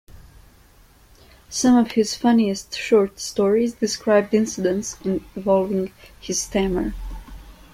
Some of his funniest short stories described incidents involving his stammer.